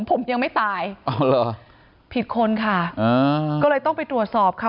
ผมยังไม่ตายอ๋อเหรอผิดคนค่ะอ่าก็เลยต้องไปตรวจสอบค่ะ